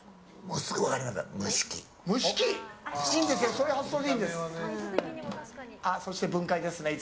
そういう発想でいいんです。